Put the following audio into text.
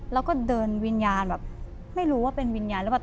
แล้วก็เดินวิญญาณแบบไม่รู้ว่าเป็นวิญญาณหรือเปล่า